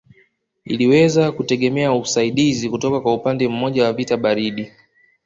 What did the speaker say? Iliweza kutegemea usaidizi kutoka kwa upande mmoja wa vita baridi